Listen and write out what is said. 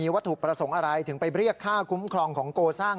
วัตถุประสงค์อะไรถึงไปเรียกค่าคุ้มครองของโกซ่า